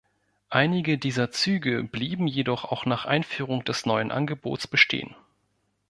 Einige dieser Züge blieben jedoch auch nach Einführung des neuen Angebots bestehen.